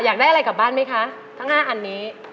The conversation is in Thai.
อยากได้อะไรกลับบ้านไหมคะทั้ง๕อันนี้